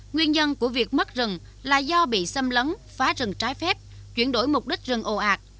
nguyên nhân của việc mất rừng là do bị xâm lấn phá rừng trái phép chuyển đổi mục đích rừng ồ ạt